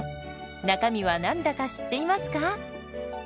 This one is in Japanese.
中身は何だか知っていますか？